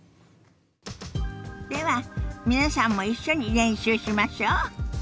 では皆さんも一緒に練習しましょ。